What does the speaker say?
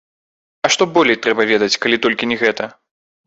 А што болей трэба ведаць, калі толькі не гэта?